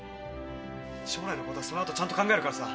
将来のことはその後ちゃんと考えるからさ。